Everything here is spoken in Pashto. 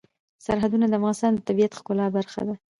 سرحدونه د افغانستان د طبیعت د ښکلا برخه ده.